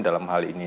dalam hal ini